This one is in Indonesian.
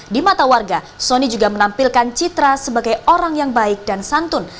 di mata warga sony juga menampilkan citra sebagai orang yang baik dan santun